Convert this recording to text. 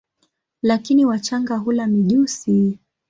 Lakini wachanga hula mijusi.